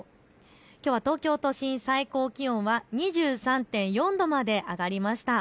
きょうは東京都心、最高気温は２３．４度まで上がりました。